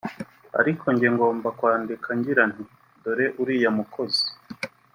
ariko jye ngomba kwandika ngira nti ’dore uriya mukozi